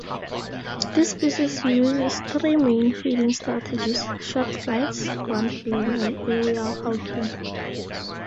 This species uses three main feeding strategies: short flights, ground feeding and aerial hawking.